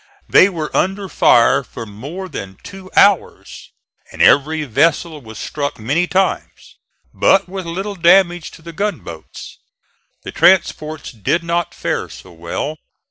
They were under fire for more than two hours and every vessel was struck many times, but with little damage to the gunboats. The transports did not fare so well.